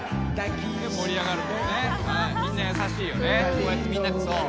こうやってみんなでそう。